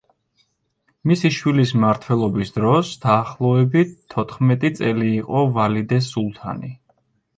მისი შვილის მმართველობის დროს დაახლოებით თოთხმეტი წელი იყო ვალიდე სულთანი.